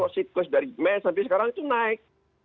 siklus dari mei sampai sekarang itu naik